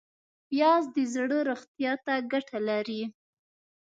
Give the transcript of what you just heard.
پیاز د زړه روغتیا ته ګټه لري